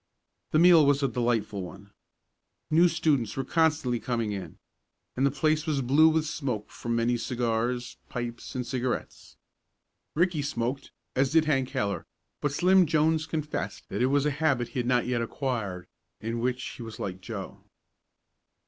The meal was a delightful one. New students were constantly coming in, and the place was blue with smoke from many cigars, pipes and cigarettes. Ricky smoked, as did Hank Heller, but Slim Jones confessed that it was a habit he had not yet acquired, in which he was like Joe.